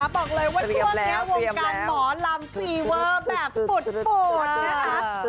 บอกเลยว่าช่วงในวงกรรมหมอลำฟีเวอร์แบบปุดปุด